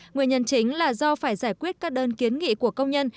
nguyên nhân chính là do phải giải quyết các đơn kiến nghị của công nhân